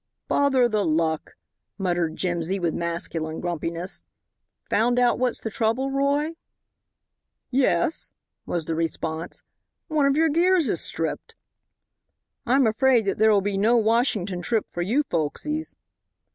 "Bother the luck," muttered Jimsy, with masculine grumpiness. "Found out what's the trouble, Roy?" "Yes," was the response; "one of your gears is stripped. I'm afraid that there'll be no Washington trip for you folksies."